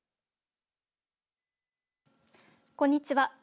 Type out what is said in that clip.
こんにちは。